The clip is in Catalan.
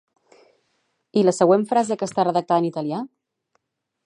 I la següent frase que està redactada en italià?